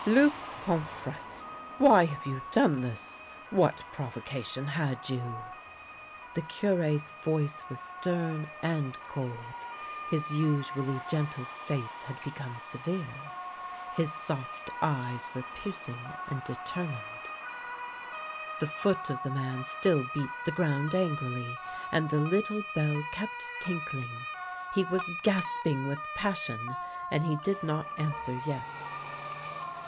" Luc Pomfrette, why have you done this ? What provocation had you ?" The Cure's voice was stern and cold, his usually gentle face had become severe, his soft eyes were pierc ing and determined. The foot of the man still beat the ground angrily, and the little bell kept tinkling. He was gasping with passion, and he did not answer yet.